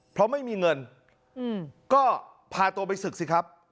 เพราะไม่มีเงินก็พาตัวไปศึกสิครับ